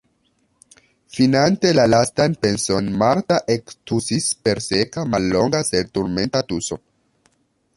Finante la lastan penson, Marta ektusis per seka, mallonga sed turmenta tuso.